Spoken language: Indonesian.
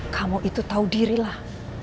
kamu itu tahu dirilah